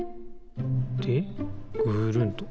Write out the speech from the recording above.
でぐるんと。